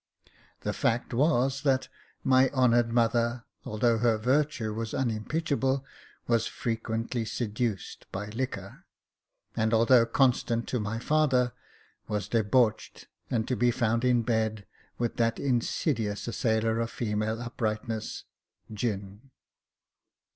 The fact was, that my honoured mother, although her virtue was unimpeachable, was frequently seduced by liquor ; and although constant to my father, was debauched and to be found in bed with that insidious assailer of female uprightness — gin.